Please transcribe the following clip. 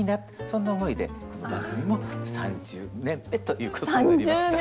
そんな思いでこの番組も３０年目ということになりました。